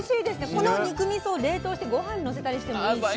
この肉みそを冷凍してごはんにのせたりしてもいいし。